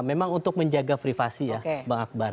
memang untuk menjaga privasi ya bang akbar